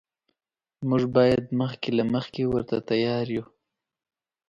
موږ باید مخکې له مخکې ورته تیار یو.